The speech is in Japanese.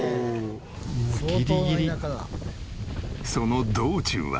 その道中は。